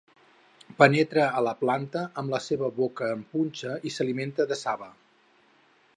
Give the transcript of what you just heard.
Penetra a la planta amb la seva boca en punxa i s'alimenta de saba.